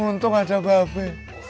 untung ada babi